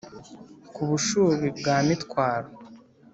ku bushubi bwa mitwaro